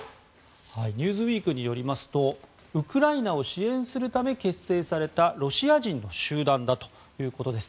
「ニューズウィーク」によりますとウクライナを支援するため結成されたロシア人の集団だということです。